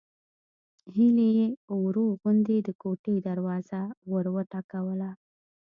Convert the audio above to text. هيلې يې ورو غوندې د کوټې دروازه وروټکوله